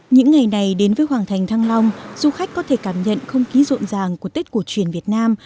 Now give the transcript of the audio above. những ngày này đến với hoàng thành thăng long du khách có thể cảm nhận không khí rộn ràng của tết cổ truyền việt nam